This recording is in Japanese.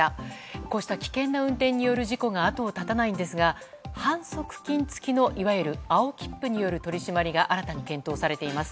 こうした危険な運転による事故が後を絶たないんですが反則金付きのいわゆる青切符による取り締まりが新たに検討されています。